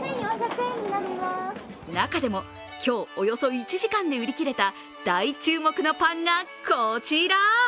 中でも、今日およそ１時間で売り切れた大注目のパンがこちら。